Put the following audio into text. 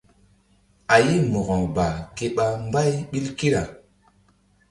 A ye Mo̧ko ba ke ɓa mbay ɓil kira.